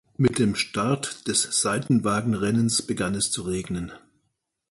Mit dem Start des Seitenwagen-Rennens begann es zu regnen.